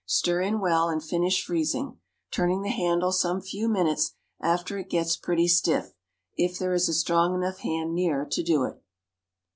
Stir in well and finish freezing, turning the handle some few minutes after it gets pretty stiff, if there is a strong enough hand near to do it.